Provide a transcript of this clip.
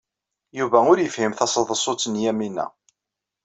Yuba ur yefhim taseḍsut n Yamina.